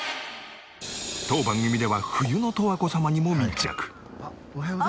当番組では冬の十和子様にも密着。